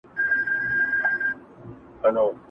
په رڼا ورځ چي په عصا د لاري څرک لټوي!